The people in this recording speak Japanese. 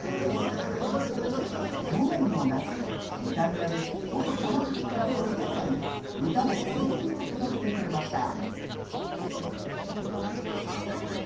去年の夏、イタリアで一人離れて暮らすお父さんへ歌でエールを届けてくれました。